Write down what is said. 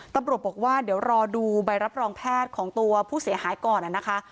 ตำรวจบอกว่าเดี๋ยวรอดูใบรับรองแพทย์ของตัวผู้เสียหายก่อนนะคะ